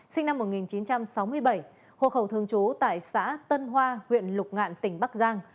sinh năm một nghìn chín trăm sáu mươi bảy hồ khẩu thương chú tại xã tân hoa huyện lục ngạn tỉnh bắc giang